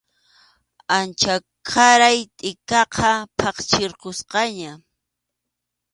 Achanqaray tʼikaqa phanchirqusqaña.